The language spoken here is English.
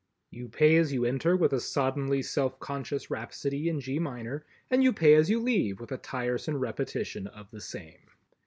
You pay as you enter with a soddenly self conscious rhapsody in G minor, and you pay as you leave with a tiresome repetition of the same.